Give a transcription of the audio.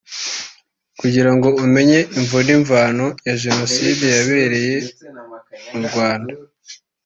Kugirango umenye Imvo n’imvano ya Jenoside yabereye mu Rwanda